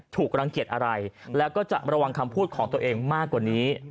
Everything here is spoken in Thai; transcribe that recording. ถูกรังเกียจอะไรแล้วก็จะระวังคำพูดของตัวเองมากกว่านี้